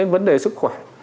vấn đề là sức khỏe